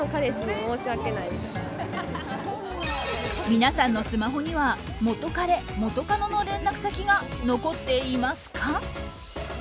皆さんのスマホには元彼・元カノの連絡先が残っていますか？